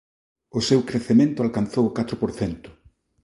O seu crecemento alcanzou o catro por cento.